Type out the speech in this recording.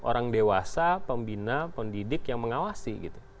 orang dewasa pembina pendidik yang mengawasi gitu